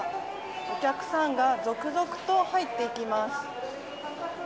お客さんが続々と入っていきます。